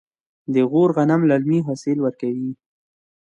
د غور غنم للمي حاصل ورکوي.